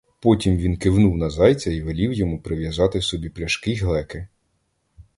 Потім він кивнув на зайця й велів йому прив'язати собі пляшки й глеки.